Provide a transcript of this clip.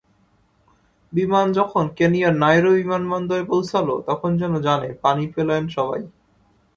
বিমান যখন কেনিয়ার নাইরোবি বিমানবন্দরে পৌঁছাল, তখন যেন জানে পানি পেলেন সবাই।